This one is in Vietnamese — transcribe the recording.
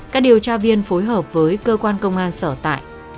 các điều tra viên phối hợp với cơ quan công an sở tại